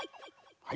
はい。